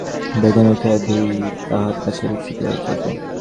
বেণু সকালে উঠিয়াই মুখ ধুইয়া তাহার কাছে ছুটিয়া যাইত।